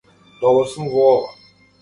Добар сум во ова.